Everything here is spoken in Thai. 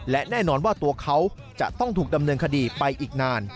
และแน่นอนว่าตัวเขาจะต้องถูกดำเนินคดีไปอีกนาน